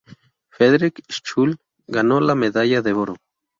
Frederick Schule ganó la medalla de oro.